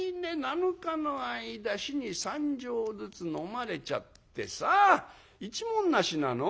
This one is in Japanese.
７日の間日に３升ずつ飲まれちゃってさ一文無しなの？